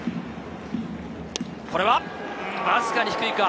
これはわずかに低いか。